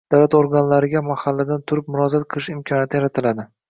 davlat organlariga mahalladan turib murojaat qilish imkoniyati yaratiladi.